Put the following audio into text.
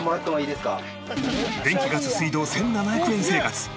電気ガス水道１７００円生活。